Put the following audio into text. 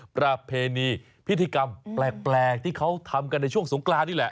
ประเพณีพิธีกรรมแปลกที่เขาทำกันในช่วงสงกรานนี่แหละ